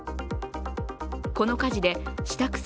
この火事で下草